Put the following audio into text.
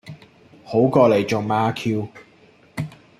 好過你中孖 Q